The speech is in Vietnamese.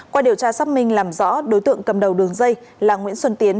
qua điều tra xác minh làm rõ đối tượng cầm đầu đường dây là nguyễn xuân tiến